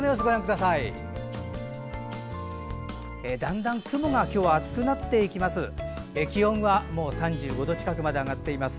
だんだん雲が今日は厚くなっていきます。